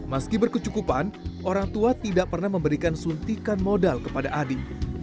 meski berkecukupan orang tua tidak pernah memberikan suntikan modal kepada adi